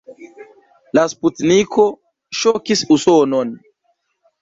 La sputniko ŝokis Usonon.